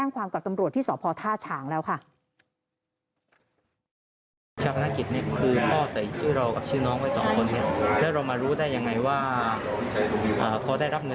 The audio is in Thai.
กับตำรวจที่สอบพอร์ท่าฉางแล้วค่ะ